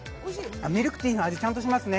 ミルクティーの味、ちゃんとしますね。